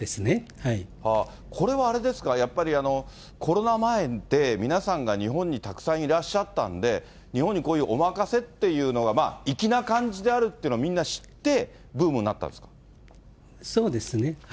これはあれですか、やっぱりコロナ前で、皆さんが日本にたくさんいらっしゃったんで、日本にこういうおまかせっていうのが、粋な感じであるっていうのをみんな知って、ブームになったんですそうですね。